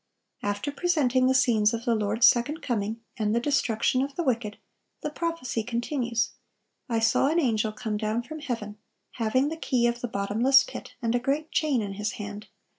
After presenting the scenes of the Lord's second coming and the destruction of the wicked, the prophecy continues: "I saw an angel come down from heaven, having the key of the bottomless pit and a great chain in his hand.